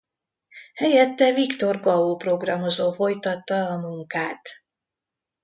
Helyette Victor Gao programozó folytatta a munkát.